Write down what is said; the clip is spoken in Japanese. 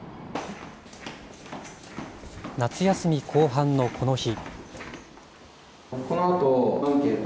夏休み後半のこの日。